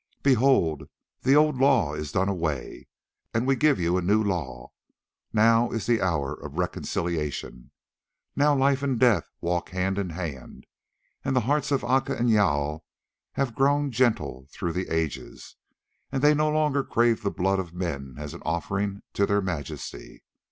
"Behold, the old law is done away, and we give you a new law. Now is the hour of reconciliation, now Life and Death walk hand in hand, and the hearts of Aca and Jâl have grown gentle through the ages, and they no longer crave the blood of men as an offering to their majesty.